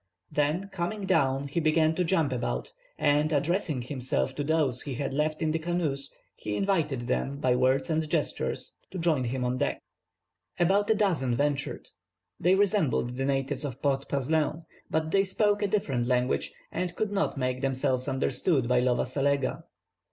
Then, coming down, he began to jump about, and, addressing himself to those he had left in the canoes, he invited them, by words and gestures, to join him on deck. About a dozen ventured. They resembled the natives of Port Praslin, but they spoke a different language, and could not make themselves understood by Lova Salega.